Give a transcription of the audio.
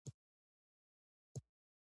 تقدم هم فطري نه ښکاري.